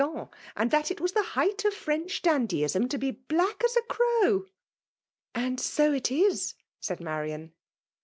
it, and that it was tke height of French dandyism to bo as black as a ciow/ *''' And so it is/' said Marian.